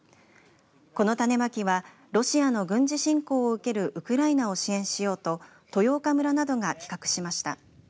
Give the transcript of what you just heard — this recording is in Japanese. この種まきはロシアの軍事侵攻を受けるウクライナを支援しようと豊丘村などが企画しました。